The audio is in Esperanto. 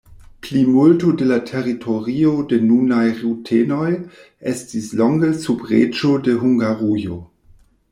Plimulto de la teritorio de nunaj rutenoj estis longe sub reĝo de Hungarujo.